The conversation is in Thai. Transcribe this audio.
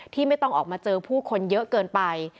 ไม่ต้องออกมาเจอผู้คนเยอะเกินไป